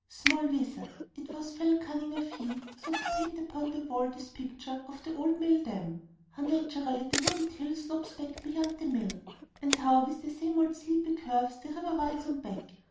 Small wizard, it was fell cunning of ye so to paint upon the wall this picture of the old mill dam. How naturally the wooded hill slopes back beyond the mill! And how, with the same old sleepy curves, the river winds on back.